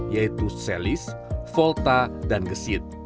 yaitu selis volta dan gesit